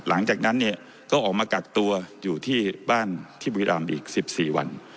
หลังจากนั้นเนี่ยก็ออกมากักตัวอยู่ที่บ้านที่บุรีรำอีก๑๔วัน